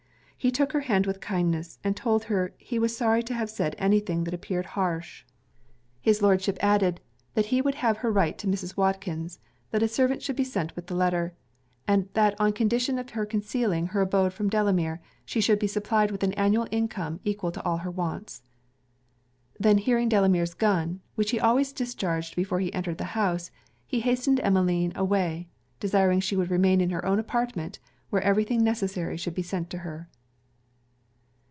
He took her hand with kindness, and told her 'he was sorry to have said any thing that appeared harsh.' His Lordship added, 'that he would have her write to Mrs. Watkins; that a servant should be sent with the letter; and that on condition of her concealing her abode from Delamere, she should be supplied with an annual income equal to all her wants.' Then hearing Delamere's gun, which he always discharged before he entered the house, he hastened Emmeline away, desiring she would remain in her own apartment; where every thing necessary should be sent to her.